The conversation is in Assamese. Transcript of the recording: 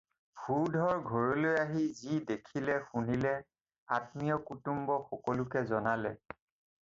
ভূধৰ ঘৰলৈ আহি যি দেখিলে শুনিলে আত্মীয়-কুটুম্ব সকলোকে জনালে।